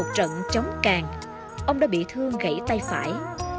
chúng chống càng ông đã bị thương gãy tay phải